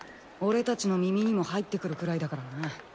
俺たちの耳にも入ってくるくらいだからな。